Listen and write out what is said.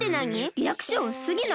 リアクションうすすぎない！？